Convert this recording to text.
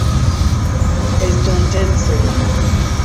estontece